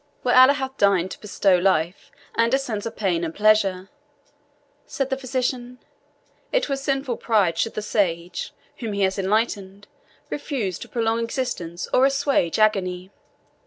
"Where Allah hath deigned to bestow life, and a sense of pain and pleasure," said the physician, "it were sinful pride should the sage, whom He has enlightened, refuse to prolong existence or assuage agony.